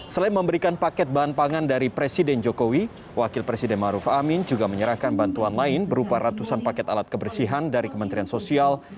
selain memberikan paket bahan pangan dari presiden jokowi wakil presiden maruf amin juga menyerahkan bantuan lain berupa ratusan paket alat kebersihan dari kementerian sosial